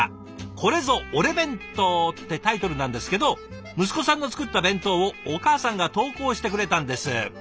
「これぞ俺弁当」ってタイトルなんですけど息子さんの作った弁当をお母さんが投稿してくれたんです。